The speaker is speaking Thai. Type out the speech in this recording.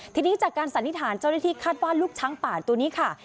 ทีนี้จากการสันนิษฐานเจ้าหน้าที่คาดว่าลูกช้างป่าตัวนี้ค่ะ